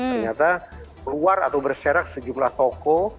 ternyata keluar atau berserak sejumlah toko